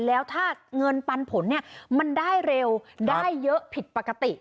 แล้วถ้าเงินปันผลเนี่ยมันได้เร็วได้เยอะผิดปกติ